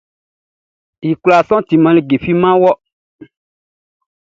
I kwlaa sɔʼn timan like fi man wɔ.